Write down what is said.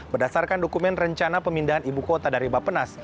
berdasarkan dokumen rencana pemindahan ibu kota dari bapenas